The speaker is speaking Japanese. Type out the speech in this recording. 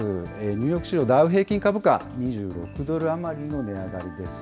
ニューヨーク市場、ダウ平均株価、２６ドル余りの値上がりです。